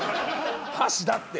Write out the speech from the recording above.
箸だって！